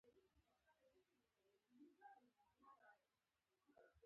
لس زره کاله مخکې غنم یو وحشي واښه و.